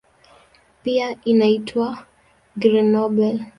Pia inaitwa "Green Nobel".